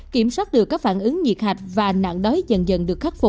kiểm soát được các phản ứng nhiệt hạch và nạn đói dần dần